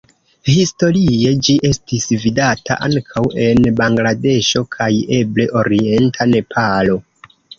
Historie ĝi estis vidata ankaŭ en Bangladeŝo kaj eble orienta Nepalo.